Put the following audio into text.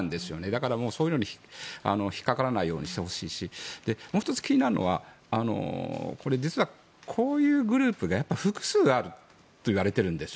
だから、そういうのに引っかからないようにしてほしいしもう１つ気になるのはこういうグループが複数あるといわれているんです。